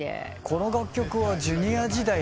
この楽曲はジュニア時代に。